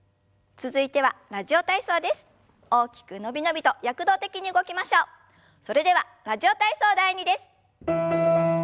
それでは「ラジオ体操第２」です。